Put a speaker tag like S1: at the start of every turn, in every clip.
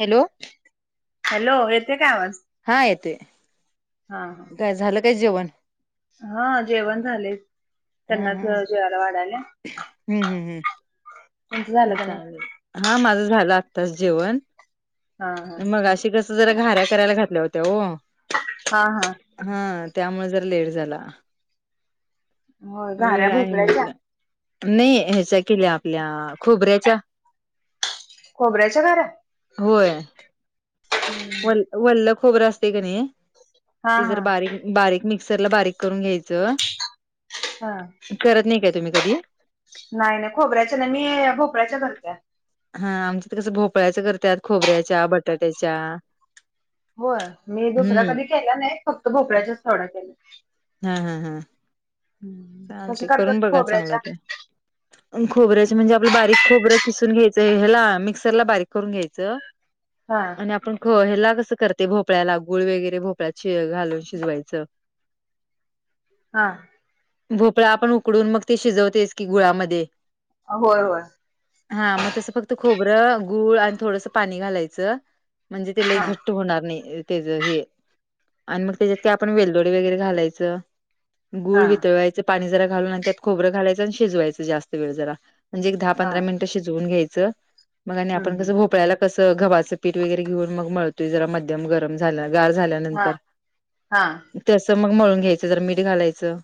S1: Hello
S2: hello येते काय आवाज
S1: हा येत
S2: हा हा
S1: काय झालं काय जेवण
S2: हा जेवण झाले
S1: हा
S2: त्यांनाच
S1: हा
S2: जेवाला वाढायला
S1: हम्म हम् हम्म
S2: तुमचं झालं का नाही
S1: ांगल हा माझ झालं आत्ताच जेवण
S2: हा हा
S1: मग अशी कस जरा घऱ्या करायला घातल्या होत्या हो
S2: हा हा
S1: हा त्यामुळे जरा लेट झाला
S2: हो घाऱ्या
S1: वेळ आहे
S2: भोपळ्याच्या
S1: म्हटलं नाही ह्याचा केल्या आपल्या खोबऱ्याच्या
S2: खोबऱ्याच्या घाऱ्या
S1: होय वल् वल्ल खोबरं असते क नाही
S2: हा
S1: त
S2: हा
S1: जर बारीक बारीक मिक्सरला बारीक करून घ्यायचं
S2: हा
S1: करत नाही काय तुम्ही कधी
S2: नाही नाही खोबऱ्याच्या नाही मी भोपळ्याच्या घरत
S1: हा आमच्याथ कसं भोपळ्याच करतात खोबऱ्याच्या बटाट्याच्या
S2: होय मी दुसरा्या
S1: हम्म
S2: कधी केला नाही फक्त भोपळ्याच्याच थवडा केला
S1: हा हा हा चाल
S2: कशा
S1: ते
S2: करतात
S1: करून बघा चांगलं
S2: खोबऱ्याच्या
S1: तर खोबऱ्याचे म्हणजे आपलं बारीक खोरं किसून घ्यायचं ह्याला मिक्सर ला बारीक करून घ्यायचं.
S2: हा
S1: आणि आपण हो ह्याला कसं करते भोपळ्याला गुळ वगैरे भोपळ्यात शि घालून शिजवायचं.
S2: हा.
S1: भोपळा आपण उकडून मग ते शिजवतेस की गुळामध्ये
S2: होय होय.
S1: हा मग तसं फक्त खोबरं गुळ आणि थोडंस पाणी घालायचं म्हणजे तेला
S2: हा
S1: एक घट. होणार नाही त्या हे आणि मग त्याच्यात काय आपण वेलदोडी वगैरे घालायचं.
S2: हा
S1: गुळ वितळवायचं पाणी जरा घालून आणि त्यात खोरं घालायचं आणि शिजवायचं जास्त वेळ जरा म्हणजे एक दहा
S2: हा
S1: पंधरा मिनिटं शिजवून घ्यायचं मग आणि
S2: हम्म
S1: आपण
S2: हम्म
S1: कसं भोपळ्याला कसं गव्हाचं पीठ वगैरे घेऊन मग मळतोय जरा मध्यम गरम झाला गार झाल्या.
S2: हा हा
S1: तस मग मळून घ्यायचं ज मीठ घालायचं.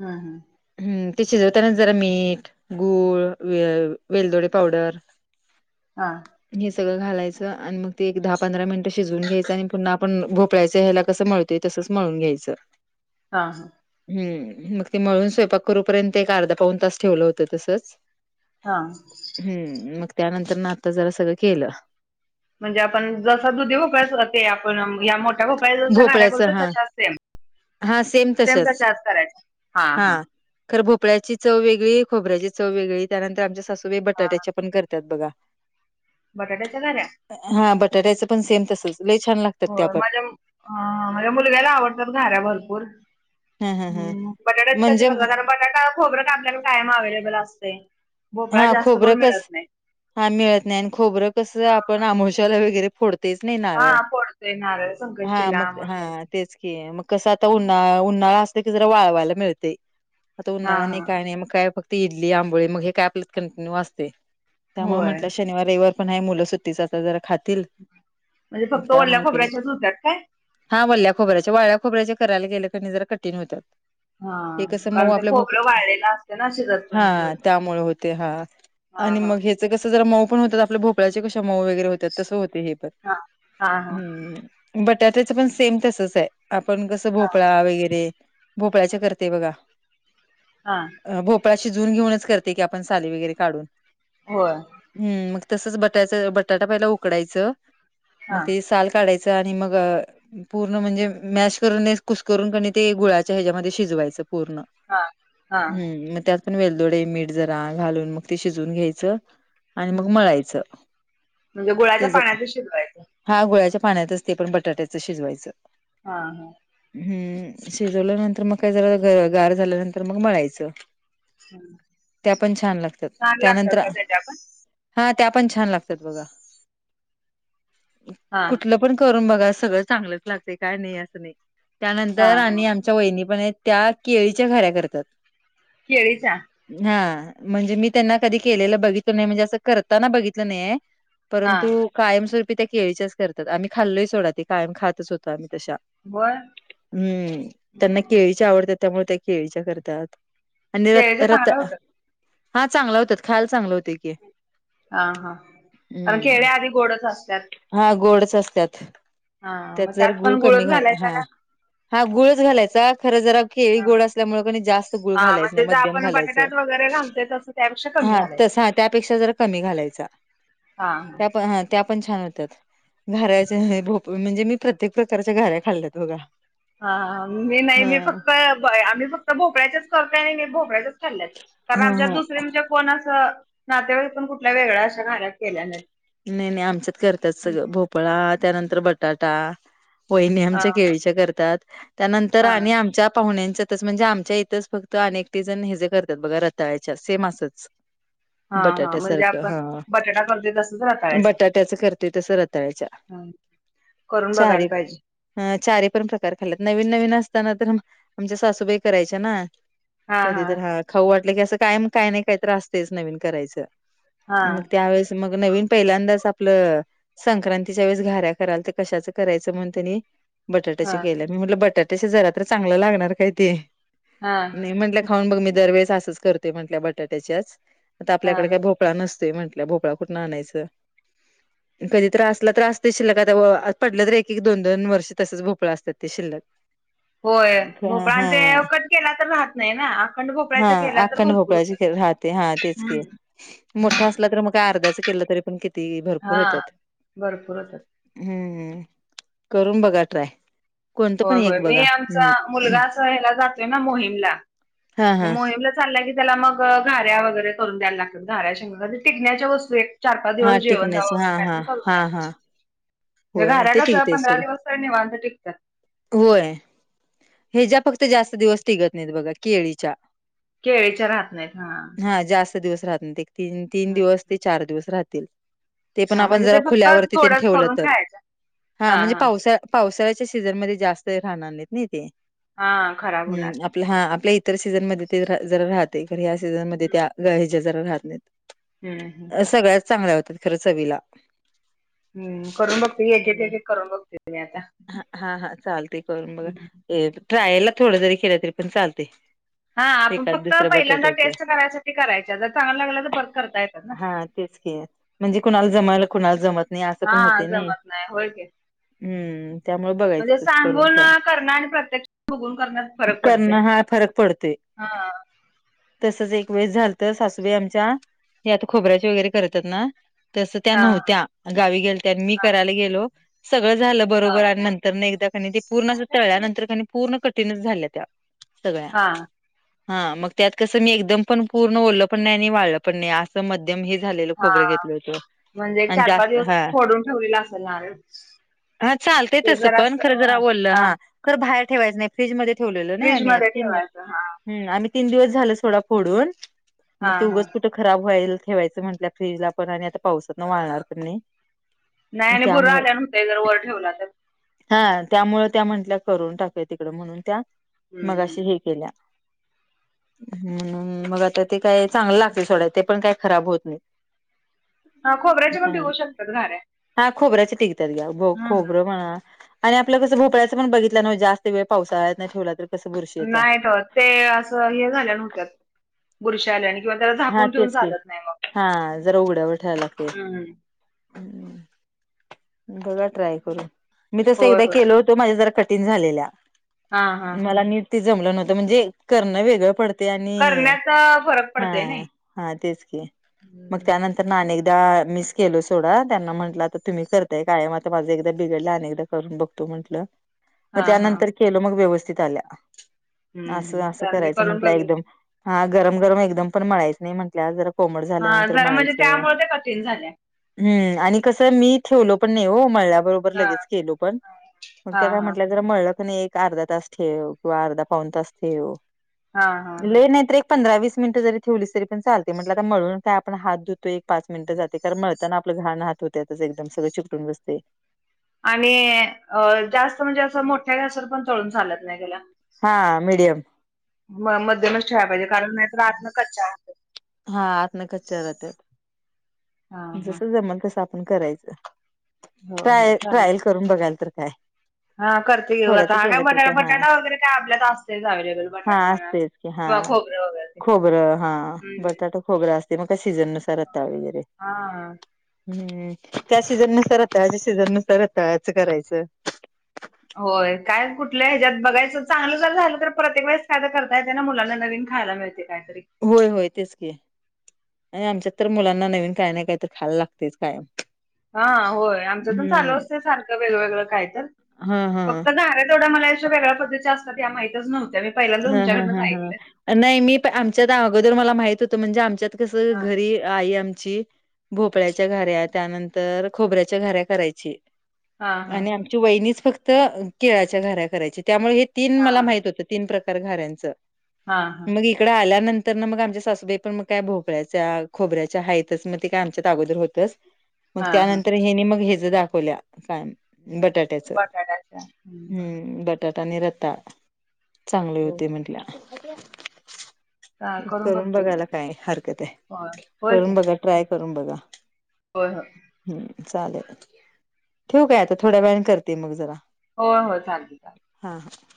S2: हम हम.
S1: हम्म ते शिजवताना जरा मीठ गूळ व वेलदोडे पावडर [inaudible]
S2: हा.
S1: हे सगळं घालायचं आणि मग ते एक दहा पंधरा मिनिटं शिजवून घ्यायचं आणि पुन्हा आपण भोपाळ्याच्या ह्याला कसं मळतोय तसंच म्हळून घ्यायचं.
S2: हां हां.
S1: हम् मग ते मळून स्वयंपाक करूपर्यंत एक अर्धा पाऊन तास ठेवलं होतं तसंच.
S2: हां.
S1: हम्म मग त्यानंतर ना आत्ता जरा सगळं केलं.
S2: म्हणजे आपण जसा दुधी भोपळा असतोय बघा ते आपण या मोठ त्या भोपळ्याच्या जश्या घाऱ्या
S1: भोपळ्याचं
S2: करतोय
S1: हा
S2: तशाच सेम
S1: हा
S2: सेम
S1: तशाच
S2: तशाचं करायच हा हा.
S1: हां. खरं भोपळ्याची चव वेगळी खोबऱ्याची चव वेगळी त्यानंतर आमच्या सासूबाई बटाट्याच्या पण करतात बघा.
S2: बटाटाचाधार.
S1: हा बटाट्याचं पण सेम तसच लई छान लागत.
S2: होय माझ्या अ माझ्या मुलग्याला आवडतात घाऱ्या भरपूर
S1: हं, हं, हं.
S2: हम्म मग बटाट्याचे कसे
S1: म्हणजे
S2: करता कारण बटाटा खोबरं काय आपल्याकडे कायम अव्हेलेबल असतंय. भोपळा जास्त करून मिळत नाही.
S1: हा मिळत नाही आणि खोबरं कसं आपण आमोवश्याला वगैरे फोडतो. तेच नय
S2: हा
S1: नारळ
S2: फोडतोय नारळ
S1: हा
S2: संकष्टीला
S1: मग
S2: अमावश्याला.
S1: हा तेचं कि म कस आत्ता उन्हाळा उन्हाळा असतो. ते कसं जरा वाळवायला मिळतंय आत्ता
S2: हा
S1: उन्हाळा नाही
S2: हा
S1: काय नाही मग काय फक्त इडली आंबोळी मग हे काय [unintelligible] त्यामुळं
S2: होय
S1: म्हंटल शनिवार रविवार पण आहे मुलं सुट्टीचं असल्यावर जरा खाता. तील
S2: म्हणजे फक्त ओल्या
S1: त्यामुळ केल.
S2: खोबऱ्याच्याच होत्यात काय?
S1: हा वल्ल्या खोबऱ्याच्या वाळ्या खोबऱ्याच्या करायला गेलं कि नाही जरा कठीण होतंय.
S2: हा
S1: हे कस
S2: कारण
S1: मग
S2: ते
S1: आपल्या भोप
S2: खोबरं वाळलेलं असतं ना शिजत
S1: हा
S2: पण नाही लवकर.
S1: त्यामुळे होत. हा
S2: हा
S1: आणि
S2: हा
S1: मग हेच कसं जरा मऊ पण होतात आपल्या भोपळ्याचे कशा मऊ वगैरे होतात तसं होतंय हे पण
S2: हा हा हा.
S1: हम्म बटाट्याच पण सेम तसच आहे आपण कसं
S2: हा
S1: भोपळा वगैरे भोपळ्याचे करते बघा.
S2: हां.
S1: भोपळा शिजवून घेऊनच करते की आपण साली वगैरे काढून
S2: होय.
S1: हम्म मग तसच बटायच बटाटा पहिला उकडायच
S2: हा
S1: मग त्याची साल. काढायचं आणि मग पूर्ण म्हणजे मॅश करून कुसकरून कनी ते गुळाच्या ह्याच्यामध्ये शिजवायचं पूर्ण
S2: हा हा
S1: हम्म मग त्यात पण वेलदोडे, मीठ जरा घालून मग ते शिजवून घ्यायचं. आणि मग
S2: हम्म.
S1: मळायचं
S2: म्हणजे गुळाच्या
S1: त्याच.
S2: पाण्याच शिजवायचं
S1: हा गुळाच्या पाण्यातच ते पण बटाट्याचं शिजवायचं.
S2: हा हा.
S1: हम्म शिजवल्यानंतर मग काय जरा ग गार झाल्यानंतर मग मळायचं.
S2: [inaudible]
S1: त्या पण छान लागतात
S2: छान लागतात
S1: त्यानंतर
S2: का त्याच्या पण
S1: हा त्या पण छान लागत्यात बघा
S2: हा
S1: कुठल. पण करून बघा सगळं चांगलंच लागतंय काय नाही अस नाही
S2: हा
S1: त्यानंतर
S2: हा
S1: आणि आम च्या वहिनी पण आहेत त्या केळीच्या घाऱ्या करतात.
S2: केळीच्या
S1: हा म्हणजे मी त्यांना कधी केलेलं बघितलो नाही म्हणजे असं करताना बघितलं नाहीेये.
S2: हा
S1: परंतु कायमस्वरूपी त्या केळीच्याच करत्यात आम्ही खाल्लोय सोडा ते कायम खातच होतो आम्ही तशा.
S2: होय
S1: हम्म त्यांना
S2: हम्म.
S1: केळीच्या आवडतात त्यामुळे त्या केळीच्या करतात. आणि रत
S2: केळीच्या
S1: रत
S2: चांगल्या होतात
S1: हा चांगला होत्यात खायला चांगलं होतंय की.
S2: हा हा कारण
S1: हम्म.
S2: केळ्या आधी गोडच असतात.
S1: हा गोडच असतात
S2: हा
S1: त्यात
S2: मग
S1: जर गुळ
S2: पण
S1: कमी
S2: गुळच
S1: घाल
S2: घालायचा
S1: हा.
S2: का
S1: हा गुळच घालायचा खरं जरा केळी
S2: हा
S1: गोड असल्यामुळे क जास्त गुळ
S2: हा
S1: घालायचं
S2: म्हणजे जर
S1: नाही म
S2: आपण
S1: घालायच
S2: बटाट्यात वगैरे घालतोय तसं त्यापेक्षा कमी
S1: हा
S2: घालायचं
S1: तस त्यापेक्षा ज कमी घालायचा.
S2: हां हां.
S1: त्या पण छान होतात घऱच्या म्हणजे मी प्रत्येक प्रकारच्या घाऱ्या खाल्ल्यात बघा.
S2: हा मी नाही मी
S1: हा.
S2: फक्त आम्ही फक्त भोपळ्याच्याच करतय आणि नाही भोपळ्याच्याच चाल्या कारण
S1: हा
S2: आमच्या
S1: हा
S2: दुसरे म्हणजे कोणा असं नातेवाईतण कुठल्या वेगळ्या अशा घा्या केल्या नाहीत.
S1: नाही नाही आमच्यात करतात सगळं भोपळा त्यानंतर बटाटा. वहिणी
S2: हा
S1: आमच्या केळीच्या करतात त्यानंतर
S2: हा
S1: आणि आमच्या पाहुण्यांच्या. म्हणजे आमच्या इथंच फक्त अनेकटी जण हे जे करतात बघा रताळ्याच्या सेम असच.
S2: हा हा
S1: बटाट्या
S2: म्हणजे
S1: सारखं
S2: आपण
S1: हा.
S2: बटाटा करतोय तसंच राहत
S1: बटाट्याच करते तस रताळ्याच्या
S2: हम्म करून बघायला
S1: चारी
S2: पाहिजे.
S1: अ चारी पण प्रकार खाल्यात नवीन नवीन असताना तर आम आमच्या सासूबाई. करायच्या ना कधी तर हा खाऊ वाटलं की असं काय काय नाही काय त्रासतेच नवीन करायचं
S2: हा
S1: मग त्यावेळेस. मग नवीन पहिल्यांदाच आपलं. संक्रांतीच्या वेळेस घऱ्या कराल तर कशाचं करायचं म्हण त्यांनी
S2: हा
S1: बटाट्याशी केल्या मी म्हटलं बटाट्याच्या जरा तर चांगलं लागणार काय ते
S2: हा
S1: नाही म्हट खाऊन बघ मी दरवेळेस असच करतोय म्हट बटाट्याच्याच आता
S2: हा
S1: आपल्याकडे
S2: हा
S1: काय भोपळा नसोय म्हट भोपळा. कुठण आणायचं. कधी त्रासला त्रास ते शिल्लक आता पडलं तर एक एक दोन दोन वर्षे तसेच भोपळा असतात ते शिल्लक.
S2: होय भोपळां ते
S1: हां.
S2: कट केला तर राहत नाही ना अखंड
S1: हा
S2: भोपळ्याच्या केला तर
S1: अखंड
S2: भरपूर
S1: भोपळाची
S2: होतात.
S1: खे हा राहते तेच
S2: हम्म
S1: मोठा असला तर मग का अर्ध्याच केलं तरी पण. ती भरपूर
S2: हा
S1: होत्या
S2: भरपूर होतात.
S1: हम्म करून बघा ट्राय. कोणतं पण
S2: होय होय
S1: एक
S2: मी
S1: बघा
S2: आमचा
S1: हम्म
S2: मुलगा अस या्यायला जातोय ना मोहीमला.
S1: हा
S2: मग
S1: हा
S2: मोहीमला चाललंय की त्याला मग घाऱ्या वगैरे करून द्यायला लागतात घाऱ्या शंग टिकगण्याच्या वस्तू एक. चार पाच
S1: हा
S2: दिवस जेवण
S1: टिकण्याच
S2: द्यावं
S1: हा
S2: असं काही
S1: हा
S2: तर करू
S1: हा
S2: द्या.
S1: हा
S2: म्हणे
S1: होय
S2: घऱ्या
S1: ते
S2: कच
S1: टिकते
S2: पंधरा
S1: सोडं
S2: दिवस तर वांध टिकत.
S1: होय. ह्याच्या्या फक्त जास्त दिवस टिकत नाहीत बघा केळीच्या.
S2: केळीच्या राहत नाहीत हा.
S1: हा जास्त दिवस राहत ते तीन
S2: हम्म.
S1: दिवस ते चार दिवस राहतील. ते पण
S2: हा
S1: आपण
S2: म्हणजे ते
S1: जरा
S2: फक्त
S1: खुल्यावरती ते
S2: थोडंच करून
S1: ठेवलं तर
S2: खायचं
S1: हा म्हणजे पावसा पावसाळ्याच्या सीझनमध्येध्ये जास्त राहणार नाहीत नाही ते
S2: हा खराब होणार
S1: हा आपल्या इतर सीझनमध्ये ते रा जरा राहते. पर ह्या सीझनमध्ये
S2: हम्म
S1: त्या गहेच्या जरा राहत नाहीत.
S2: हम्म हम्म.
S1: [inaudible] अ सगळ्याच चांगल्या होतात, खरं चवीला. [inaudible]
S2: हम्म, करून बघते एक एक
S1: हम्म.
S2: एक एक करून बघते मी आता.
S1: ह हा, हा. चालते करून बघा.
S2: हम्म.
S1: ट्रायलला, थोड जरी केलं तरी, पण चालते. [unintelligible]
S2: हा, आपण
S1: एखाद
S2: फक्त
S1: दुसरं
S2: पहिल्यांदा,
S1: बटाट्याचं.
S2: टेस्ट करायसाठी करायच्या. जर चांगला लागलं, तर परत करता येतात ना.
S1: हा, तेच की. म्हणजे कुणाला जमयला, कुणाला जमत नाही. असं पण
S2: हा
S1: होते ना हे.
S2: जमत नाही होय की
S1: हम्म. त्यामुळे
S2: म्हणजे
S1: बघायचं. तसं, करून
S2: सांगून
S1: ट्राय.
S2: करणं आणि प्रत्यक्ष बघून करन्यात.
S1: करण, हा फरक पडतय. तसच एक वेळेस झालात. सासूबाई आमच्या, हे आता खोबऱ्याची वगैरे करतात ना. तस त्या
S2: हा
S1: नव्हत्या. गावी गेलत्या. मी
S2: हा
S1: करायला गेलो सगळं झालं
S2: हा
S1: बरोबर, आणि नंतर न एकदा ते, पूर्ण असं तळल्या नंतर, कानी पूर्ण कठीणच झाल्या त्या. सगळ्या.
S2: हा
S1: हा मग त्यात कसं, मी एकदम पण पूर्ण ओलं पण नाही, आणि वाळलं पण नाही असं म ध्यम हे झालेलं
S2: हा
S1: खोबरं घेतल होत.
S2: म्हणजे एक
S1: आन
S2: चार पाच
S1: जास्त,
S2: दिवस
S1: हा
S2: फोडून ठेवलेला असेल नारळ
S1: हा, चालते
S2: ते
S1: तस
S2: जरा
S1: पण खरं जरा
S2: हा
S1: ओल्ल, हा. खर बाहेर ठेवायचं नाही. फ्रीजमध्ये ठेवलेल ना
S2: फ्रीज
S1: आम्ही. आ
S2: मध्ये
S1: तीन दि
S2: ठेवायचं हा
S1: ह, आम्ही तीन दिवस झालं सोडा फोडून.
S2: हा
S1: मग ते
S2: हा
S1: उगच कुठ खराब व्हईल ठेवायचं म्हटलं, फ्रीजला पण. आणि आता पावसातन वाळणार पण नाही.
S2: नाही आणि बुर्रा
S1: त्यामुळे
S2: आल्यावन व्हतय. जर वर ठेवला तर.
S1: हा, त्यामुळ त्या म्हंटल्या, करून टाकूया तिकड. म्हणून त्या
S2: हम्म हम्म.
S1: मघाशी हे केल्या. हम, मग आता ते काय चांगलं लागतील सोडा. ते पण काय खराब होत नाही.
S2: खोबऱ्याचे पण टिकू
S1: चांगलं
S2: शकतात. घाऱ्या.
S1: हा खोबऱ्याचे टिकतात. ग्या
S2: हम्म
S1: खोबरं म्हणा, आणि आपलं कसं भोपळ्याचं पण बघित जास्त वेळ पावसाळ्यात नाही ठेवला तर कसं बुरशी येत्या.
S2: नाहीत होत. ते असं हे झाल्यावनी व्हत्यात. बुरश्या आल्यावणि. किंवा त्याला
S1: हा
S2: झाकून ठेऊन
S1: तेच की
S2: चालत नाही मग.
S1: हा
S2: हम्म.
S1: हम्म. बघा ट्राय करून. मी तस
S2: होय
S1: एकदा
S2: होय
S1: केलो होतो, माझ्या जरा कठीण झालेल्या.
S2: हा हा
S1: मला नीट जमलं नव्हतं. म्हणजे, करण वेगळं पडत ते आणि
S2: करण्याचा फरक
S1: हा,
S2: पडतोय नाही.
S1: हा. तेच की. मग त्यानंतर ना अनेकदा मिस केल सोडा. त्यांना म्हंटलं, आता तुम्ही करता कायम आता. माझं एकदा बिघडलं, आणि एकदा करून बघतो म्हटल. मग
S2: हा हा
S1: त्यानंतर केलं मग व्यवस्थित आल्या.
S2: हम्म
S1: असं,
S2: हम्म
S1: असं
S2: चाल मी
S1: करायचं
S2: करून
S1: म्हंटलं
S2: बघेल
S1: एकदम हा गरम - गरम एकदम पण मळायच नाही म्हंटल्यावर, जर कोमट
S2: हा
S1: झाल्यानंतर
S2: जरा म्हणजे
S1: मळायचं.
S2: त्यामुळे ते कठीण झाल्या
S1: हम् आणि कसं, मी ठेवलो पण नाही हो. मळल्यावर वर
S2: हा
S1: लगेच केलं पण. पण
S2: हा
S1: त्या काय
S2: हा
S1: म्हटल्या मळल कणय एक अर्धा तास ठेव. किंवा अर्धा पाऊण तास ठेव.
S2: हा हा हा
S1: लै नाही तर एक पंधरा - वीस मिनट जरी ठेवलीस तरी पण चालते. म्हटलं मळून काय आपण हात धुतोय. पाच मिनिटं जाते. कारण मळताना आपलं घाण हात होतेत्यातच. एकदम सगळं चिपटून बसते.
S2: आणि जास्त म्हणजे असं, मोठ्या गॅसवर पण तळून चालत नाही त्याला.
S1: हा, मीडियम.
S2: म मध्यमच ठेवाया पाहिजे. कारण नाहीतर आतन कच्चा राहत्यात.
S1: हा, आतन कच्च्या राहतात.
S2: हा हा
S1: जसं जमल तस आपण करायचं.
S2: हो हो
S1: ट्राय-
S2: चालेल
S1: ट्रायल करून बघाल तर काय?
S2: हा करते येऊ
S1: थोड्याच
S2: आता. हा काय
S1: केलं तर
S2: बटा,
S1: हा
S2: बटाटा वगैरे काय आपल्यात असतेच अव्हेलेबल.
S1: हा
S2: बटाटा बघा.
S1: असतेच हा, खोबरं. हा,
S2: हम्म
S1: बटाटा खोबरा असते, म काय सीजून आता वगैरे
S2: हा.
S1: हम्म त्या सीझन नुसार, आताच्या सीझन नुसार आताच करायचं.
S2: होय काय कुठलं ह्यात बघायचं, चांलू जर झालं तर प्रतेक वेळेस खायला करता येत ना. मुलांना नवीन खायला मिळत. ते काहीतरी.
S1: होय, होय, तेच की. आणि आमच्यात तर मुलांना, नवीन काय नाही काही तरी. खायला लागतेच कायम.
S2: हा होय. आमचं पण चालू
S1: हम्म
S2: असते. सारखं वेगवेगळं काय तर.
S1: हां, हां.
S2: फक्त घाऱ्या मला अशा वेगळ्या पद्धतीच्या असतात. माहितच नव्हत्या. मी पहिल्यांदा
S1: हां, हां,
S2: तुमच्याकडंन
S1: हां,
S2: ऐकलंय.
S1: हां. नाही मी, आमच्यात अगोदर मला माहित होतं. म्हणजे आमच्यात कसं.
S2: हा
S1: घरी आई आमची भोपळ्याच्या घाऱ्या, त्यानंतर खोबऱ्याच्या घऱ्या करायची.
S2: हा
S1: आणि त्या वहिनीच फक्त. केळाच्या घाऱ्या करायची. त्यामुळे हे तीन
S2: हा
S1: मला
S2: हा
S1: माहित होतं. तीन प्रकार घाऱ्यांचं.
S2: हा हा.
S1: मग इकडं आल्यानंतर ना. मग आमच्या सासूबाई पण मग काय भोकळ्याच्या खोबऱ्याच्या हाहेतच. मग ते काय आमच्या अगोदर होत, मग
S2: हा हा
S1: त्यानंतर, हेनी मग हे च दाखवल्या. बटा त्याच.
S2: बटाट्याच्या हम्म,
S1: हम्म. बटाटा आणि रताळ चांगले
S2: हो
S1: होते म्हटलं.
S2: हा,
S1: करून
S2: बघते मी
S1: बघायला काय हरकते.
S2: होय होय की
S1: करून बघा. ट्राय करून बघा.
S2: होय.
S1: हम्म चालेल. ठेवू काय आता. थोड्या वेळने करते. मग जरा.
S2: होय होय चालते चालते.
S1: ह, ह.